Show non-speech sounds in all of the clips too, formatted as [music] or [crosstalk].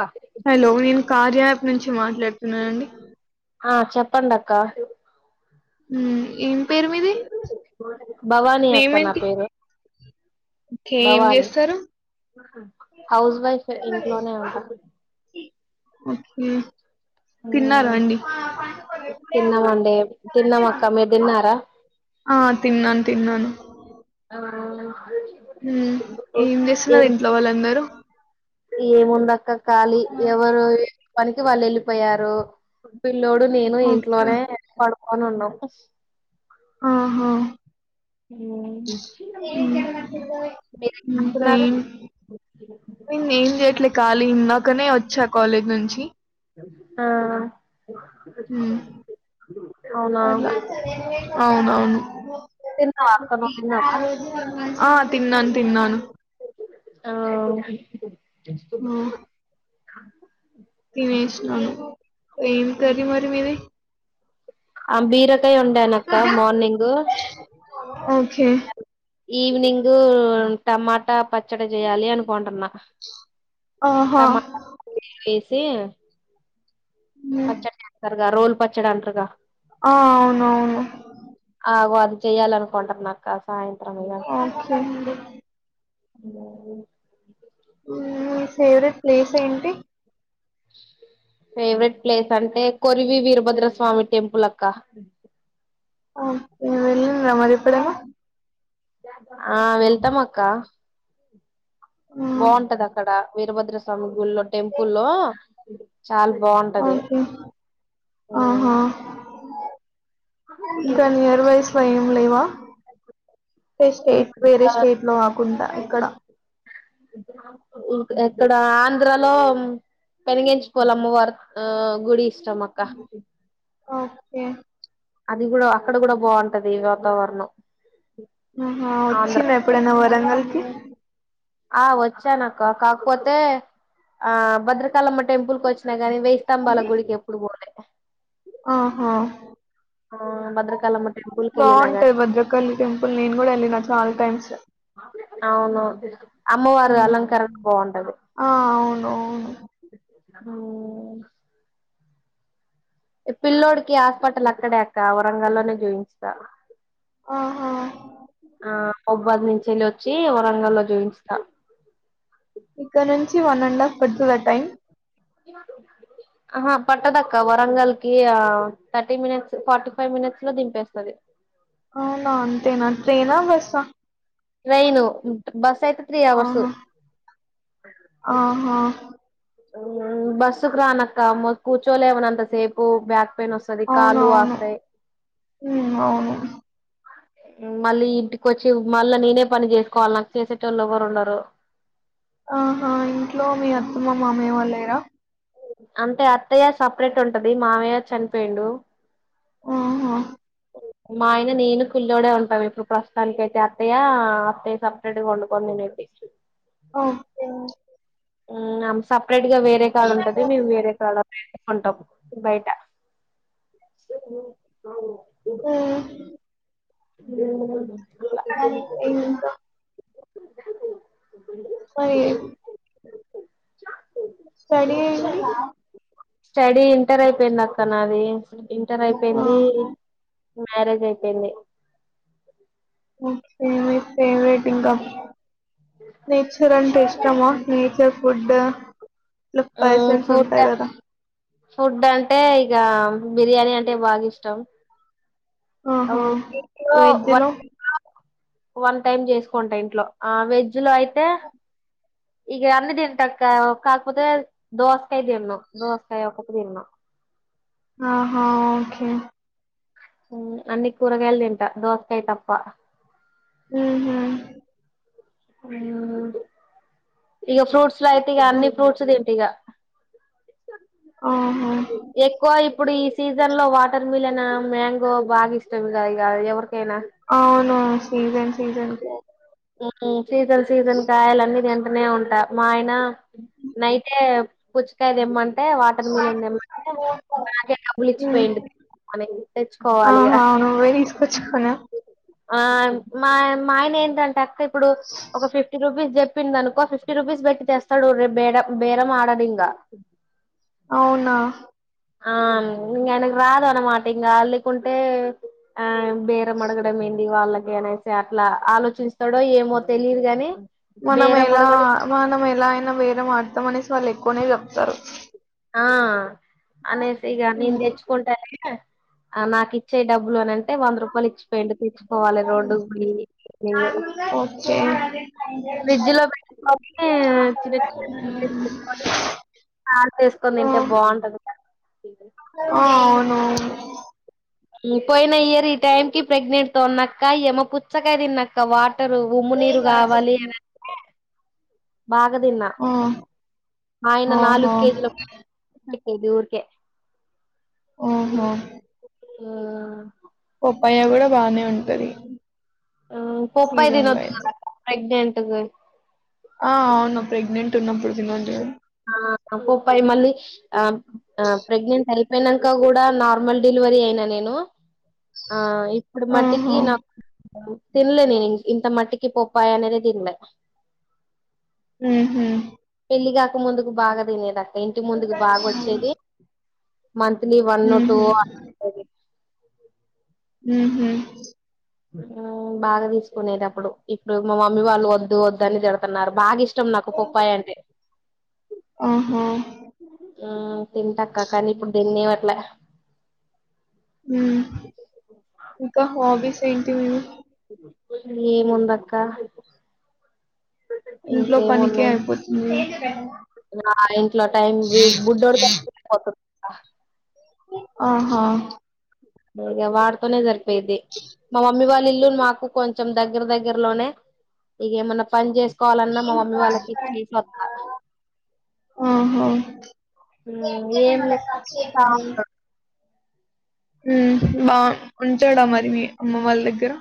ఆ హలో నేను car app నుంచి మాట్లాడుతున్నానండి ఆ చెప్పండి అక్క ఉ భవానీ నేమ్ అక్క నా ఏంటి పేరు ఓకే ఏం భవాని చేస్తారు హౌస్ వైఫ్ ఇంట్లోనే ఉంటా ఒకే తిన్నారు మ్, అండి తిన్నామండి తిన్నాం అక్క మీరు తిన్నారా ఆ తిన్నాను తిన్నాను అవు ఏం చేస్తున్నారు ఇంట్లో వాళ్ళందరూ ఏమ బా ఖళీ ఎవరు పనికి వాళ్ళు వెళ్ళిపోయారు పిల్లోడు నేను ఓకే ఇంట్లోనే పడు అవునున్నా ఆహా ఇంకా ఏం నేను ఏం చేయట్లే మీరేంటున్నారు ఖాళీ ఇందాకనే వచ్చా కాలేజ్ నుంచి ఆ అవునా అలా అవునవును తిన్నావా అక్క నువ్వు తిన్నావా ఆ తిన్నాను తిన్నాను ఆ [unintelligible] తినేసన్నాను ఏమి తర మరి మీది అంబీర అకాయ ఉండాన అక్క మార్నింగ్ ఓకే. ఈవినింగ్ టమాటా పచ్చడి చేయాలి అనుకుంటున్నా ఆహా! అ మా స బచ్చా ట రోల్ పచ్చడాంటారుగా ఆ అవును అవును చెయాలనుకుంటారు నాకు కాస్త అఓకే అఓ మీ ఫేవరెట్ ప్లేస్ ఏంటి ఫేవరెట్ ప్లేస్ అంటే కొరివి వీరభద్రస్వామి టెంపుల్ అక్క కే వెళ్ళిందా మరిప్పుడైనా ఆ వెళ్తాం అక్క హ్మ్. బాగుంటది అక్కడ వీరభద్రస్వామి గుళ్ళో టెంపుల్లో చాల బాగుంటది ఓకే. ఊ ఆహా! ఇంకా నియర్బైసులో ఏం లేవా అంటే స్టేట్ వేరే స్టేట్ లో ఆకుండా ఇక్కడ ఇక్కడ ఆంధ్రలో పెనిగించిపోలేము వర్ ఆ గుడి ఇష్టమక్క ఓకే. అది కూడా అక్కడ కూడా బాగుంటది వాతావరణం ఆహా ఆంధ్ర వచ్చింది ఎప్పుడైన్న వర బంగల్కి ఆ వచ్చాను అక్క కాకపోతే ఆ భద్రకాలమ్మ టెంపుల్ కు వచ్చా గాని వెయయి స్తంభాల గుడికి ఎప్పుడు పోలేదు ఆహా ఆ భద్రకాళమ్మ టెంపుల్ కి వెళ్ళినా బాగుంటాయి గాని భద్రకాళి టెంపుల్ నేను కూడా వెళ్ళిన చాలా టైమ్స్ అవును అమ్మవారు హ్మ్. అలంకరణ బావుంటది అ ఊ పిల్లోడికి హాస్పిటల్ అక్కడే అక్క వరంగల్ లోనే చూయించిన ఆహా బబ్బాద్ నుంచి వెళ్లి వచ్చి వరంగల్ లో చూయించిన ఇక్కడ నుంచి వన్ అండ్ హఫ్ పడుతుంద టైం ఆహా పట్టదక్క వరంగల్ కి ఆ thirty minutes forty five minutes లో దింపేస్తుది అ నన్ టేనా ట్రేనా బస్ స ట్రైను బస్ అయితే త్రీ అవర్స్ ఆహా ఆహా బస్సుకు రా అనక్క మ కూచోలేవనంతా సేపు బ్యాక్ పెయిన్ వస్తది అవును కాళ్ళు అవును వాస్తాయి హ్మ్ అవును మళ్ళీ ఇంటిక వచ్చి మళ్ళా నేనే పని చేసుకోవాలి నాకు చేసేట్వొళ్ళు ఎవరు ఉండరు ఆహా ఇంట్లో మీ అత్తమ్మ మామయ్య వాళ్ళు లేరా అంటే అత్తయ్య సపరేట్ ఉంటది మామయ్య చనిపోయిండు ఓహో మా ఆయన నేను కుళ్ల్లోడే ఉంటాం ఇప్పుడు ప్రస్తుతానికి అయితే అత్తయ్య అత్తయ్య సపరేట్గా వండుకోని తినేది ఓకేఓకే అమ్ సప్ అపరేట్ గా వేరే కాళ్ళ ఉంటది మేము వేరే కాల కొంటాము బయట వు ఆఓ దేవుడ. ఎంటో. ట్రై. బా చె. స్టడీ ఏంది. స్టడీ ఇంటర్ అయిపోయింది అక్క నాది. ఇంటర్ ఆ! అయిపోయింది. మ్యారేజ్ అయిపోయింది. ఓకే. ఫేవరెట్ ఇంకా నేచర్ అంటే ఇష్టమా నేచర్. వడ్డ. ఇలా మ్మ్ పర్సెంస్ ఫుడ్ ఉంటాయి కదా. ఫుడ్ అంటే ఇక బిర్యానీ అంటే బాగా ఇష్టం. ఆహా ఇంట్లో వెజ్ లో. వన్ టైమ్ చేసుకోంటా ఇంట్లో వెజ్. వెజ్ అయితే. ఇగ అన్ని తింటా అక్క కాకపోతే దోసకాయ తిన్ను దోసకాయ ఒక తిన్ను. ఆహా ఓకే. అన్ని కూరగాయలు తింటా దోసకాయ తప్ప. హ్మ్ హూ. ఇగ ఫ్రూట్స్. అయితే ఇగ హ్మ్. అన్ని ఫ్రూట్స్ తింటే ఇగ. ఆహా! ఎక్కువ. ఇప్పుడు ఈ సీజన్ లో వాటర్ మిల్న్ మ్యాంగో బాగా ఇష్టం ఇగ ఎవరి. అవును సీజన్ సీజన్. సీజన్ సీజన్ కాయలు అన్ని తింటానే ఉంటా మా ఆయన. నైతే. పుచ్చకాయ. అంటే వాటర్ మిలిన్ ఏమంటే నాకే డబ్బులు హ్మ్. ఇచ్చిపోయింటి మన తెచ్చుకోవాలిగా. ఆహా! నువ్వే తీసుకొచ్చుకున్నావు. ఆ మా మా ఆయన ఏంటంటే. చెక్క. ఇప్పుడు ఒక ఫిఫ్టీ రూపీస్ చె. ప్పిందనుకో ఫిఫ్టీ రూపీస్ బెట్టి తెస్తాడు, రె బేడ బేరమాడడింగ. అవున. ఆ ఇంగయనకు రాదు అన్నమాట ఇంగ అ లేకుంటే ఆ బేరం అడగడం ఏంది వాళ్ళకి అనేసి అట్లా ఆలోచింస్తడో ఏమో తెలిదు గని. మనం ఎలా మనం ఎలా ఐనా వేర మాడ్ తమనేసి వాళ్ళు ఎక్కోనే జెప్తరు. ఆ అనేస్ ఇగ నేన్ దెచ్చుకుంటలే. అ నాకిచ్చే డబ్బులు అనంటే వంద రూపాలు ఇచ్ పోయిండు, తెచ్చుకోవాలే రోడ్ కు బోయి ఇగ. ఓకే. ఫ్రిడ్జ్ లో పెట్టుకొనీ ఆ కోసుకొని ఆ! దింటే బావుంటది. ఆ, అవునవును. ఉ పోయిన ఇయర్ ఈ టైం కి ప్రెగ్నెంట్ తో ఉన్న అక్క, ఇయమ పుచ్చకాయ దిన్నక్క వాట్ రు ఉమ్ము నీరు గావాలి బాగా దిన్నా. ఆ! ఆయన నాలుగు ఆహా! కేజీల ఏదో ఊర్కే. ఓహో ఓ ప్పయ గూడా బానే ఉంటది. ఆ పొప్పయ సీజన్‌లో దినొద్దు అయితే. గదా ప్రెగ్నెంట్. నువయ్ ఆ, అవును! ప్రెగ్నెంట్ ఉన్నప్పుడు దినొద్దు గద. ఆ అ పొపాయ్ మళ్ళీ ఆ ఆ ప్రెగ్నెంట్ ఐ పెనక గూడా నార్మల్ డెలివరీ అయిన నేను. ఆ, ఇప్పుడు ఆహా! మట్టికి నాకు. తిన్లే నేను ఇం, ఇంత మట్టికి పోప్పయ అనేదే తిన్లే. ఊహ్మ్! పెళ్లిగాక ముందుకు బాగా తినేదా. ఇంటి ముందుకు బాగొచ్చేది. మంత్లీ వన్ టు హుహు. ఆ ఊహ్మ్ ఊమ్ బాగా దీసుకునేది అప్పుడు, ఇప్పుడు మా మమ్మీ వాళ్ళు ఒద్దు ఒద్దు అని దిడతున్నారు బాగా ఇష్ ష్టం నాకు పొప్పాయి అంటే. ఆహ! ఆ తింటక్క, కానీ ఇప్పుడు దినీవట్లె. గ హాబీస్ ఏంటి మ్యూ ఏముందక్క ఇంట్లో పనినికి ఇంకేమున్నాయి అయిపోతుంది ఆ ఇంట్లో టైం బుడోడితోపోతుంది ఆ ఆహా ఇగ వాడుతోనే సరిపో పోయేది మా మమ్మీ వాళ్ళ ఇల్లు మాకు కొంచెం దగ్గర దగ్గరలోనే ఇ ఏమన్నా పని చేస్త కోవాలన్నా మా మమ్మీ వాళ్ళకిచ్చసి వస్త ఆహో ఏం లే బా ఉంటడా మరి మీ అమ్మ వాళ్ళ రా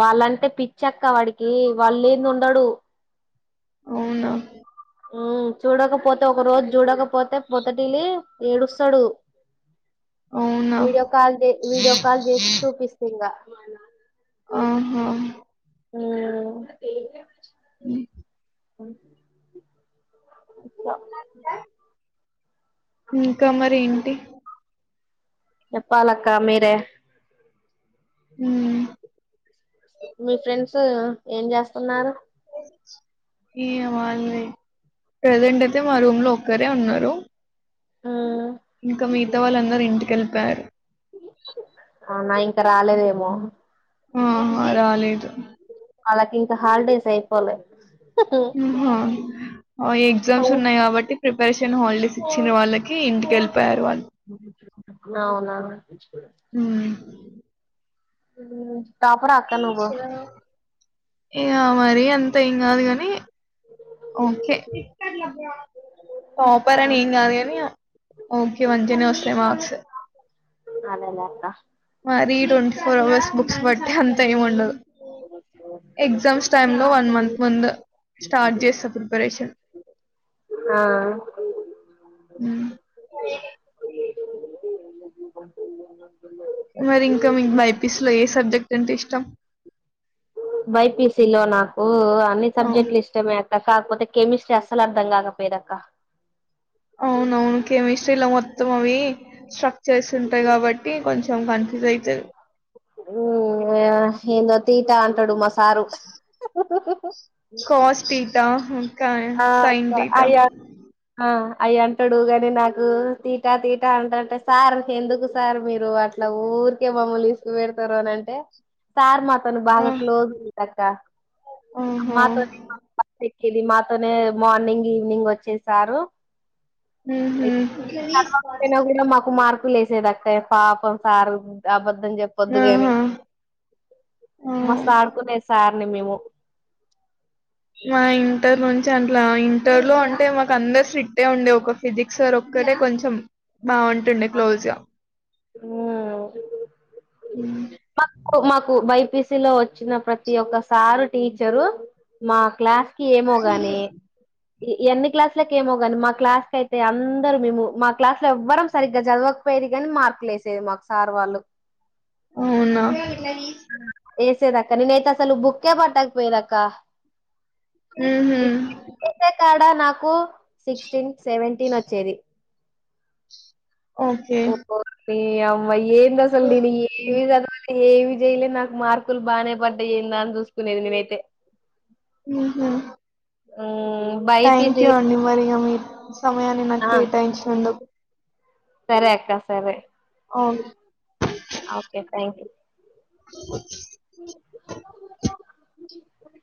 వాళ్ళంటే పిచ్చక్క వాడికి వాళ్ళు లేనిది ఉండడు అవునా చూడకపోతే ఒక రోజు చూడకపో పోతే పోత లీ ఏడుస్తాడు అవునా? వీడియో కాల్ వీడియో కాల్ చేసి చూపిస్త ఇంగా ఆహ ఆ అ అ ఆ ఉ ఇంకా మరి ఏంటి చెప్పలక్క మీరే హ్మ్. మీ ఫ్రెండ్స్ ఏం చేస్తున్నారు ఏ అ వాల్ ప్రజెంట్ అయితే మా రూమ్ లో ఒక్కరే ఉన్నారు ఆ ఇంకా మిగతా వాళ్ళందరూ ఇంటికెలిపాయారు అవునా ఇంకా రాలేదేమో ఉ హ రాలేదు వాళ్ళకి ఇంకా హాలిడేస్ అయిపోలే ఉ హా ఓ ఎగ్జామ్స్ ఉన్నాయి కాబట్టి ప్రిపరేషన్ హాలిడేస్ ఇచ్చిన వాళ్ళకి కి ఇంటికి వెళ్లిపోయారు వాళ్ళు నవునా హ్మ్. ఉ ఇగ మరి అన్ తే ఏం గాదు గాని ఓకే టాపర్ అని ఏం గాదు కాని య ఓకే మంచినే వస్తాయి మార్క్స్ అనేనే అక్క మరి ట్వంటీ ఫోర్ అవర్స్ బుక్స్ బట్టే అంత ఏమి ఉండదు ఎగ్జామ్స్ టైమ్ లో వన్ మంత్ ముందు స్టార్ట్ చేస్తా ప్రిపరేషన్ ఆ మరి ఇంకా మీకు బైపీస్ లో ఏ సబ్జెక్ట్ అంటే ఇష్టం బైపీసి లో నాకు కు అన్ని ఓహ్! సబ్జెక్ట్లు ఇష్టమే అక్ అ కాకపోతే కెమిస్ట్రీ అస్సలు అర్ధం కాకపోయేది అక్క అవునవును కెమిస్ట్రీలా మొత్తం అవి చేస్తుంటాయి కాబట్టి కొంచెం కన్ఫ్యూజ్ అయితది హ య ఏందో తిటా అంటాడు మస్ సారు కాస్ టీట హ ఆ అయర్ ఆ అయి అంటాడు గాని నాకు తీటా తీటా ఆన్ టంటే సార్ ఎందుకు సార్ మీరు అట్లా ఊరికే మమ్మల్ని ఈసుకు వేడుతారు అని అంటే సార్ మా అతను ఆ! బాగా క్లోజ్ గా ఉంటా అక్క ఆహా! మా తోటి మా బస్సు ఎక్కి ఇది మాత్ అతనే మార్నింగ్ ఈవినింగ్ వచ్చేసారు ఉహు ఇప్పుడు లేసేంది అక్క పాపం సారు అబద్దు అబద్ధం చెప్పొద్దు గాని ఆహా! ఆ! మస్తు ఆడుకునే సర్ అన్ని మేము చెన్ ట్లా ఇంటర్లో అంటే మాకు అందరు స్ట్రిక్ ఏ ఉండే ఒక ఫిజిక్స్ సర్ ఒక్కరే కొంచెం బాగుంటుండే క్లోజ్ గా ఉ ఆ మాకు మాకు బైపీస లో వచ్చిన ప్రతి ఒక్కసారు టీచరు మా క్లాస్ ఏమోగాని ఎన్ని క్లాసులక ఏమో కానీ మా క్లాస్ క అయితే అందరు మేము మా క్లాస్ లో ఎవ్వరం సరిగ్గా చదవకపోయేది కాగాని మార్కులు వేసేది మాకు సార్ వాళ్ళు అవునా దాక్క ననుైయితే అస్సలు బుక్కే పట్టాక పోయిదాక్క ఊ హూ తడా నాకు సిక్స్టీన్ సెవెంటటీన్ వచ్చ చేది ఓకే ఓరి అమ్మ ఏంది అసలు నేను ఏమి చదవాల్ ఏమి చేయలే నాకు మార్కులు బాగానే పడ్డయయిందా అని చూసుకునేది నేనైతే హుహు. ఆ థ్యాంక్ యూ అండి మరిగా మీరు సమయాన్ని నాకు ఆ కేటాయించినందుకు సరే అక్క సరే అఓ ఓకే థ్యాంక్ యూ ఓ జ